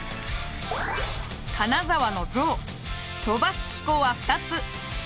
金沢のゾウ飛ばす機構は２つ。